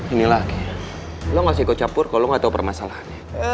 ini lagi ya lo ngasih kocapur kalo lo ga tau permasalahannya